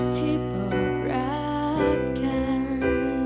ที่บอกรักกัน